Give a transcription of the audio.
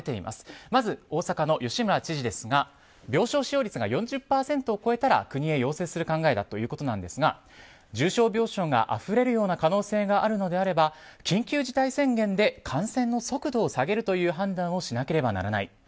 まず、大阪の吉村知事ですが病床使用率が４０％を超えたら国に要請する考えだということですが重症病床があふれるような可能性があるのであれば緊急事態宣言で感染の速度を下げるという判断をしなければならない。